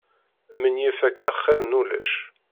Menyif akka xir n ulac.